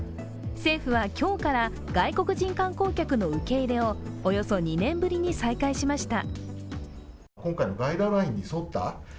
政府は今日から外国人観光客の受け入れをおよそ２年ぶりに再開しました。